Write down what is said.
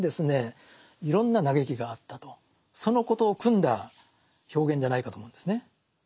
そのことをくんだ表現じゃないかと思うんですね。